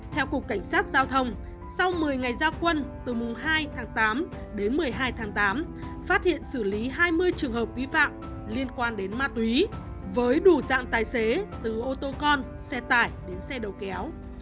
theo cục cảnh sát giao thông sau một mươi ngày gia quân từ mùng hai tháng tám đến một mươi hai tháng tám phát hiện xử lý hai mươi trường hợp vi phạm liên quan đến ma túy với đủ dạng tài xế từ ô tô con xe tải đến xe đầu kéo